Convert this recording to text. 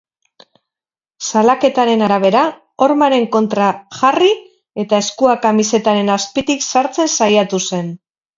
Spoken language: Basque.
Salaketaren arabera, hormaren kontra jarri eta eskua kamisetaren azpitik sartzen saiatu zen.